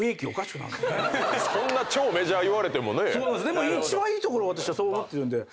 でも一番いい所を私はそう思ってるんで。